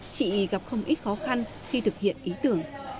chị gặp không ít khó khăn khi thực hiện ý tưởng